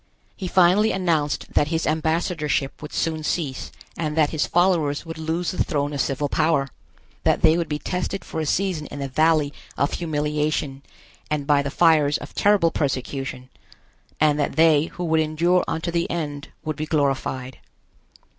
He finally announced that his ambassadorship would soon cease and that his followers would lose the throne of civil power, that they would be tested for a season in the valley of humiliation and by the fires of terrible persecution, and that they who would endure unto the end would be glorified.